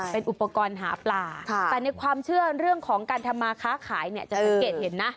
เป็นอุปกรณ์หาปลาแต่ในความเชื่อเรื่องของการทำมาค้าขายเนี่ยจะสังเกตเห็นนะ